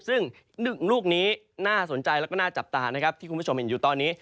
ซึ่ง๑ลูกนี้น่าสนใจแล้วก็น่าจับตานะครับที่คุณผู้ชมเห็นอยู่ตอนนี้